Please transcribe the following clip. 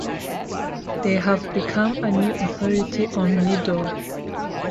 They have become a new authority on Nidor.